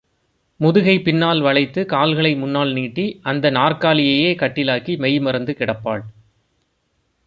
முதுகைப் பின்னால் வளைத்து, கால்களை முன்னால் நீட்டி அந்த நாற்காலியையே கட்டிலாக்கி, மெய்மறந்து கிடப்பாள்.